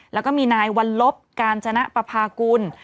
แล้วก็มีนายวัลลบกาญจนปภากุล